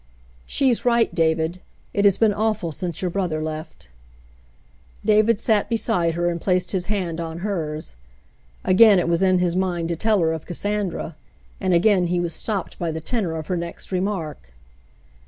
"She's right, David, It has been awful since your brother left." David sat beside her and placed his hand on hers. Again it was in his mind to tell her of Cassandra, and again he was stopped by the tenor of her next remark.